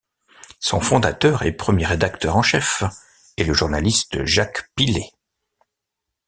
Son fondateur et premier rédacteur en chef est le journaliste Jacques Pilet.